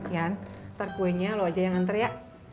yan ntar kuenya lo aja yang nganter ya